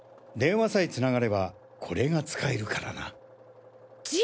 電話さえつながればこれが使えるからな。